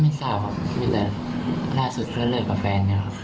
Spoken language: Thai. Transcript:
ไม่ทราบครับมีแต่ราสุทธิ์เลือดกับแฟนเนี่ยครับ